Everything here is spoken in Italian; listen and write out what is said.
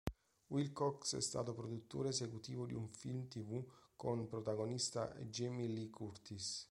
Wilcox è stato produttore esecutivo di un film-tv con protagonista Jamie Lee Curtis.